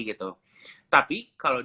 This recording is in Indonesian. gitu tapi kalau